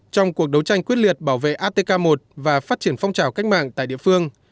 trong cuộc đấu tranh quyết liệt bảo vệ atk một và phát triển phong trào cách mạng tại địa phương